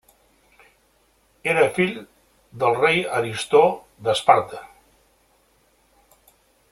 Era fill del rei Aristó d'Esparta.